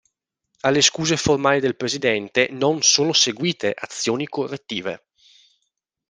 Alle scuse formali del presidente non sono seguite azioni correttive.